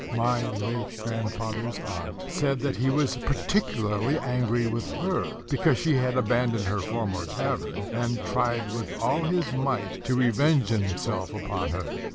My late grandfather's aunt said that he was particularly angry with her, because she had abandoned her former tavern, and tried with all his might to revenge himself upon her.